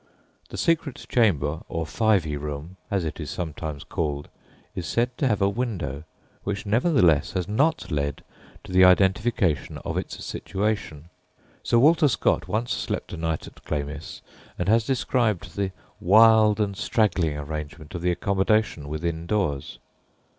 The secret chamber, or "Fyvie room," as it is sometimes called, is said to have a window, which nevertheless has not led to the identification of its situation. Sir Walter Scott once slept a night at Glamis, and has described the "wild and straggling arrangement of the accommodation within doors."